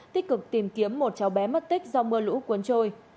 tích cực tìm kiếm một cháu bé mất tích do mưa lũ cuốn trôi